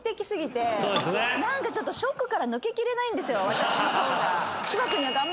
私の方が。